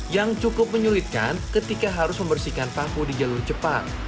yang cukup menyulitkan ketika harus membersihkan paku di jalur cepat